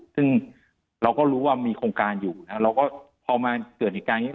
ซึ่งเราก็รู้ว่ามีโครงการอยู่นะเราก็พอมาเกิดเหตุการณ์อย่างนี้